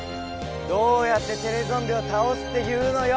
どうやってテレゾンビをたおすっていうのよ。